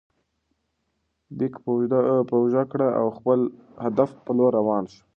بیک په اوږه کړه او د خپل هدف په لور روان شه.